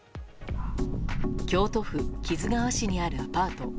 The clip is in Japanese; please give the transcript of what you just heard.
京都府木津川市にあるアパート。